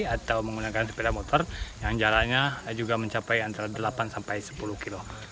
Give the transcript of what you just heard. atau menggunakan sepeda motor yang jalannya juga mencapai antara delapan sampai sepuluh kilo